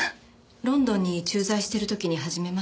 ロンドンに駐在している時に始めました。